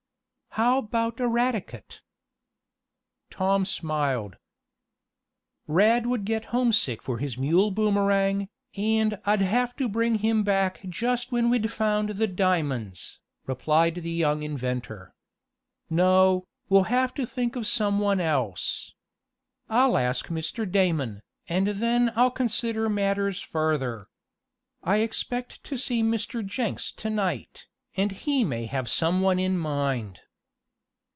"How about Eradicate?" Tom smiled. "Rad would get homesick for his mule Boomerang, and I'd have to bring him back just when we'd found the diamonds," replied the young inventor. "No, we'll have to think of some one else. I'll ask Mr. Damon, and then I'll consider matters further. I expect to see Mr. Jenks to night, and he may have some one in mind."